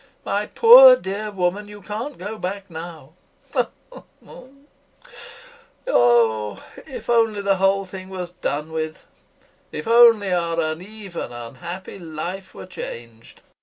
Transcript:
My poor, dear woman, you can't go back now. [Weeps] Oh, if only the whole thing was done with, if only our uneven, unhappy life were changed!